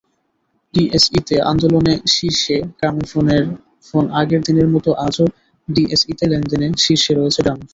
ডিএসইতে লেনদেনে শীর্ষে গ্রামীণফোনআগের দিনের মতো আজও ডিএসইতে লেনদেনে শীর্ষে রয়েছে গ্রামীণফোন।